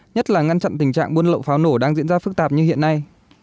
nhất là ngăn chặn tình trạng buôn lậu pháo nổ đang diễn ra phức tạp như hiện nay